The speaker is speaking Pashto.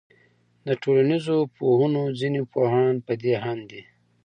د ټولنيزو پوهنو ځيني پوهان پدې آند دي